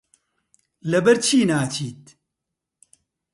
لەبەرچی ناچیت؟